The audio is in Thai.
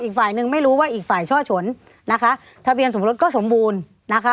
อีกฝ่ายนึงไม่รู้ว่าอีกฝ่ายช่อฉนนะคะทะเบียนสมรสก็สมบูรณ์นะคะ